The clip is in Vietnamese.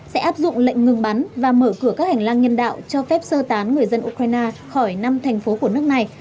sẽ áp dụng lệnh ngừng bắn và mở cửa các hành lang nhân đạo cho phép sơ tán người dân ukraine khỏi năm thành phố của nước này